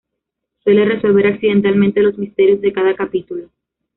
Suele resolver accidentalmente los misterios de cada capítulo.